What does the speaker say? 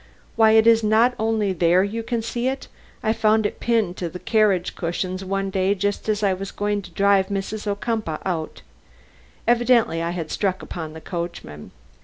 Why, it is not only there you can see it. I found it pinned to the carriage cushions one day just as I was going to drive Mrs. Ocumpaugh out." (Evidently I had struck upon the coachman.)